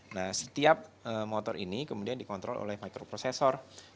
nah setiap motor ini kemudian dikontrol oleh microprocessor